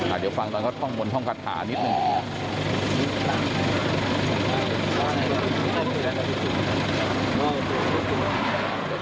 อ่าเดี๋ยวฟังตอนก็ต้องมนท่องกระถานิดหนึ่ง